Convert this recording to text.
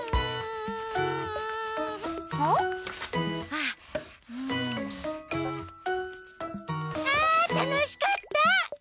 あたのしかった！